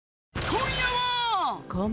今夜は！